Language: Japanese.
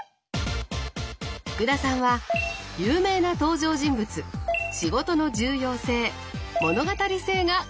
福田さんは「有名な登場人物」「仕事の重要性」「物語性」が高得点！